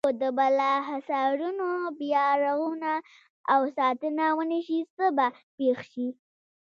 که د بالا حصارونو بیا رغونه او ساتنه ونشي څه به پېښ شي.